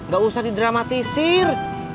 gak usah didramatisir